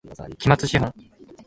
期末資本